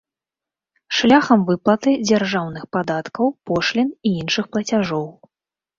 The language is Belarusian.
Шляхам выплаты дзяржаўных падаткаў, пошлін і іншых плацяжоў.